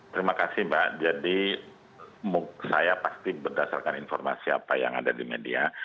terima kasih mbak jadi saya pasti berdasarkan informasi apa yang ada di media